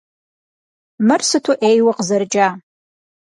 Мыр сыту ӏейуэ къызэрыкӏа!